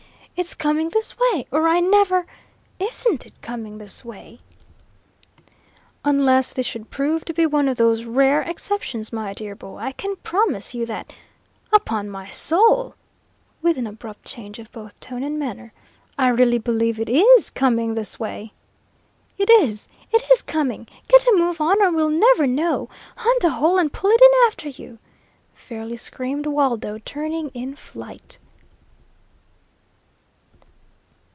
"It's coming this way, or I never ISN'T it coming this way?" "Unless this should prove to be one of those rare exceptions, my dear boy, I can promise you that Upon my soul!" with an abrupt change of both tone and manner, "I really believe it IS coming this way!" "It is it is coming! Get a move on, or we'll never know hunt a hole and pull it in after you!" fairly screamed Waldo, turning in flight.